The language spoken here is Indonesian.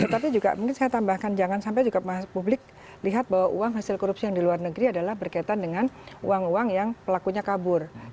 tapi juga mungkin saya tambahkan jangan sampai juga publik lihat bahwa uang hasil korupsi yang di luar negeri adalah berkaitan dengan uang uang yang pelakunya kabur